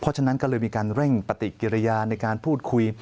เพราะฉะนั้นก็เลยมีการเร่งปฏิกิริยาในการพูดคุย